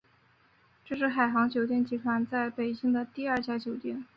这是海航酒店集团在北京的第二家酒店。